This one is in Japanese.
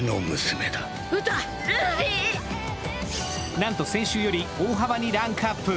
なんと先週より大幅にランクアップ。